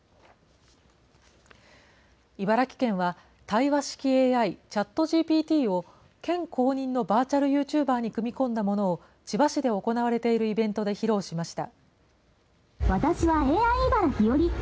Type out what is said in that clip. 茨城県は、対話式ＡＩ・ＣｈａｔＧＰＴを県公認のバーチャールユーチューバーに組み込んだものを、千葉市で行われているイベントで披露しました。